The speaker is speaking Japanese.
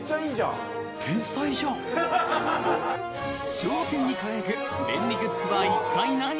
頂点に輝く便利グッズは一体、何？